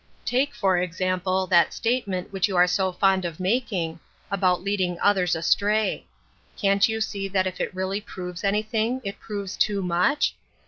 Take, for example, that statement which you are so fond of making — about leading others astray. Can't you really see that if it proves anything, it proves too much